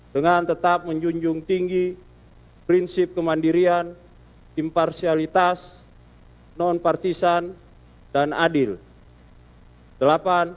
dengan tetap menjunjung tinggi prinsip kemandirian imparsialitas non partisan dan adil